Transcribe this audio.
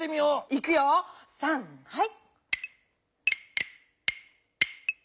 いくよさんはい。